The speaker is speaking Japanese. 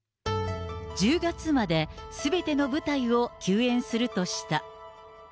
１０月まですべての舞台を休演するとした。